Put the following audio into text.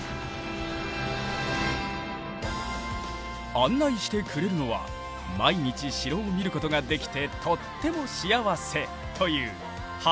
案内してくれるのは毎日城を見ることができてとっても幸せという橋井友泉さん。